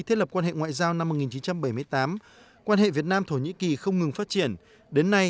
thiết lập quan hệ ngoại giao năm một nghìn chín trăm bảy mươi tám quan hệ việt nam thổ nhĩ kỳ không ngừng phát triển đến nay